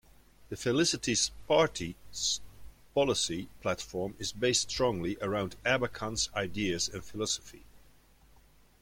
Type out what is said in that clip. The Felicity Party's policy platform is based strongly around Erbakan's ideas and philosophy.